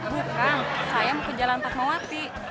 bukan saya mau ke jalan fatmawati